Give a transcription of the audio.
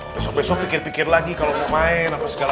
besok besok pikir pikir lagi kalau mau main apa segala